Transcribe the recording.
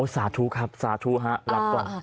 สาธุครับสาธุฮะ